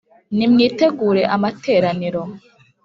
Nimwitegure amateraniro